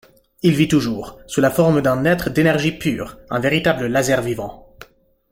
Il vit toujours, sous la forme d'un être d'énergie pure, un véritable laser vivant.